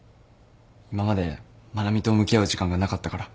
今まで愛菜美と向き合う時間がなかったから。